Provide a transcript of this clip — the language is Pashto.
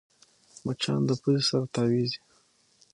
مچان د پوزې سره تاوېږي